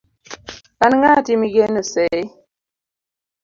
an ng'ati migeno sei